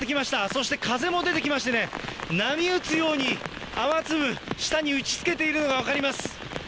そして風も出てきましてね、波打つように雨粒、下に打ちつけているのが分かります。